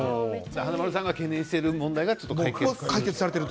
華丸さんが懸念している問題が、ちょっと解決されている。